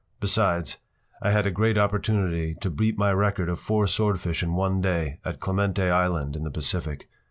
Besides, I had a great opportunity to beat my record of four swordfish in one day at Clemente Island in the Pacific.